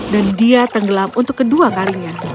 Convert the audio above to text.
dan dia tenggelam untuk kedua kalinya